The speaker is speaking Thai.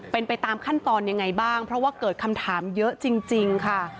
เป็นไปตามขั้นตอนยังไงบ้างเพราะว่าเกิดคำถามเยอะจริงค่ะ